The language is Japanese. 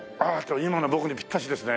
今の僕にぴったしですね。